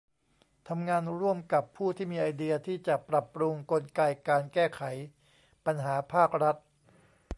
ทำงานร่วมกับผู้ที่มีไอเดียที่จะปรับปรุงกลไกการแก้ไขปัญหาภาครัฐ